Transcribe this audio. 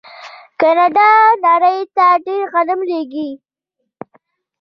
کاناډا نړۍ ته ډیر غنم لیږي.